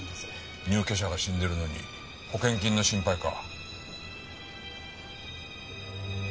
入居者が死んでるのに保険金の心配か。